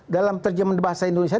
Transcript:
dalam terjemahan bahasa indonesia